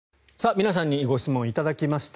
皆さんにご質問を頂きました。